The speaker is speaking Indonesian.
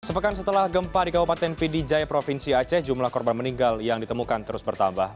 sepekan setelah gempa di kabupaten pidijaya provinsi aceh jumlah korban meninggal yang ditemukan terus bertambah